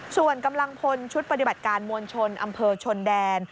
ส่วนกำลังพลชุดปฏิบัติการมวลชนอำเภอชนแดน